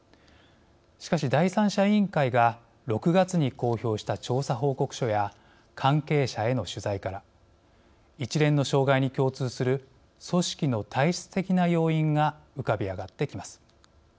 しかし第三者委員会が６月に公表した調査報告書や関係者への取材から一連の障害に共通する組織の体質的な要因が浮かび上がってきます。